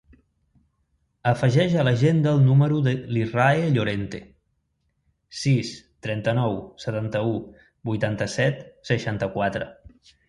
Afegeix a l'agenda el número de l'Israe Llorente: sis, trenta-nou, setanta-u, vuitanta-set, seixanta-quatre.